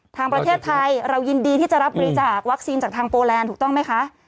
ทางประเทศไทยเรายินดีที่จะรับบริจาควัคซีนจากทางโปแลนด์ถูกต้องไหมคะ